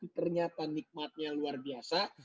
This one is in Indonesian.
ternyata nikmatnya luar biasa